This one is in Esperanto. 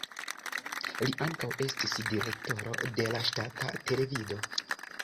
Li ankaŭ estis direktoro de la ŝtata televido.